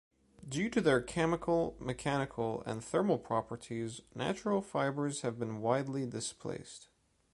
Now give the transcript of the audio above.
Due to their chemical, mechanical and thermal properties, natural fibers have been widely displaced.